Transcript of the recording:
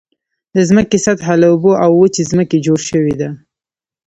د ځمکې سطحه له اوبو او وچې ځمکې جوړ شوې ده.